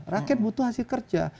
rakyat butuh hasil kerja